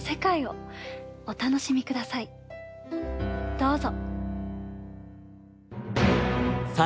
どうぞ。